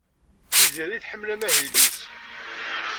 Tiziri tḥemmel amahil-is?